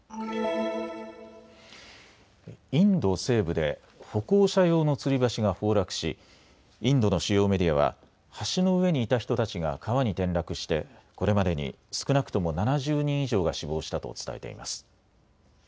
インド西部で歩行者用のつり橋が崩落しインドの主要メディアは橋の上にいた人たちが川に転落してこれまでに少なくとも７０人以上が死亡したと伝えています。